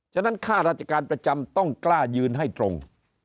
ฉะนั้นค่าราชการประจำต้องกล้ายืนให้ตรง